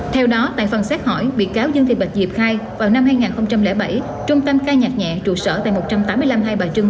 theo đó tại phần xét hỏi bị cáo dương thị bạch diệp khai vào năm hai nghìn bảy trung tâm ca nhạc nhẹ trụ sở tại một trăm tám mươi năm hai bà trưng